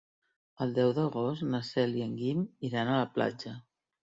El deu d'agost na Cel i en Guim iran a la platja.